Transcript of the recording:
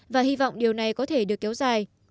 và hy vọng điều này có thể được kéo dài